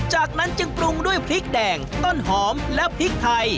จากนั้นจึงปรุงด้วยพริกแดงต้นหอมและพริกไทย